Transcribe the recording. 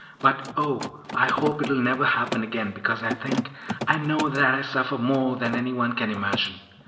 But oh, I hope it will never happen again, because I think I know that I suffer more than any one can imagine.